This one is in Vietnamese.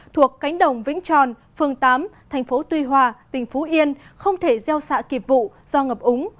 thuộc cánh đồng vĩnh tròn phương tám thành phố tuy hòa tỉnh phú yên không thể gieo xạ kịp vụ do ngập úng